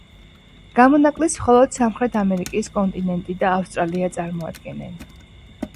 გამონაკლისს მხოლოდ სამრეთ ამერიკის კონტინენტი და ავსტრალია წარმოადგენენ.